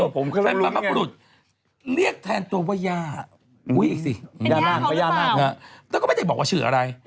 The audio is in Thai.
เป็นแบรนด์ภัพบุรุษเรียกแทนตัววัยาอีกสิแล้วก็ไม่ได้บอกว่าชื่ออะไร